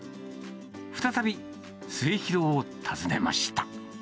再び、末広を訪ねました。